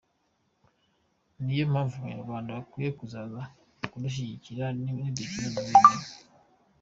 Niyo mpamvu Abanyarwanda bakwiye kuzaza kudushyigikira nidukina na Guinea.”